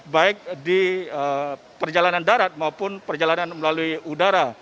baik di perjalanan darat maupun perjalanan melalui udara